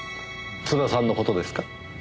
津田さんの事ですか？